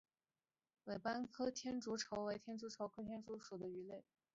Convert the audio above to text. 尾斑裸天竺鲷为天竺鲷科裸天竺鲷属的鱼类。